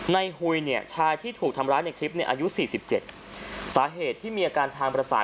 หุยเนี่ยชายที่ถูกทำร้ายในคลิปเนี่ยอายุ๔๗สาเหตุที่มีอาการทางประสาท